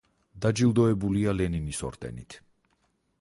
დაჯილდოებულია ლენინის ორდენით.